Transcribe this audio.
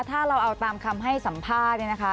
ถ้าเราเอาตามคำให้สัมภาษณ์